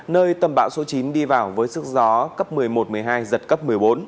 nơi tầm bão số chín đi vào với sức gió cấp một mươi một một mươi hai giật cấp một mươi bốn